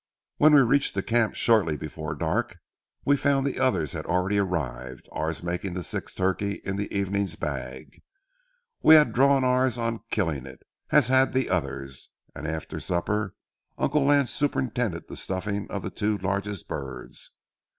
When we reached the camp shortly before dark, we found the others had already arrived, ours making the sixth turkey in the evening's bag. We had drawn ours on killing it, as had the others, and after supper Uncle Lance superintended the stuffing of the two largest birds.